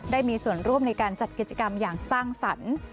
ได้มีส่วนร่วมในการจัดกิจกรรมอย่างสร้างสรรค์